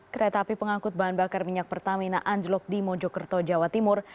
kereta api pengangkut bahan bakar minyak pertamina anjlok di mojokerto jawa timur